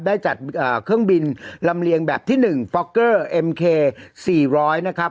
ได้จัดเอ่อเครื่องบินลำเลียงแบบที่หนึ่งฟอกเกอร์เอ็มเคสี่ร้อยนะครับ